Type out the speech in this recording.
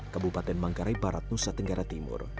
kabupaten manggarai barat nusa tenggara timur